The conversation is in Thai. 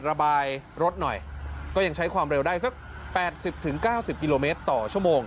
ระบายรถหน่อยก็ยังใช้ความเร็วได้สัก๘๐๙๐กิโลเมตรต่อชั่วโมง